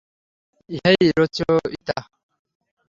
হেই, রচয়িতা।